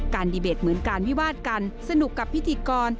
ดีเบตเหมือนการวิวาดกันสนุกกับพิธีกร